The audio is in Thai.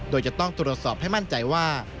โดยจะต้องตรวจสอบให้มั่นใจว่า